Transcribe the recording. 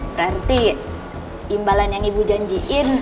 berarti imbalan yang ibu janjiin